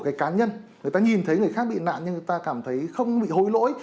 cái cá nhân người ta nhìn thấy người khác bị nạn nhưng người ta cảm thấy không bị hối lỗi